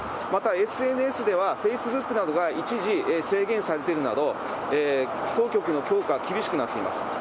また、ＳＮＳではフェイスブックなどが一時制限されているなど、当局の強化は厳しくなっています。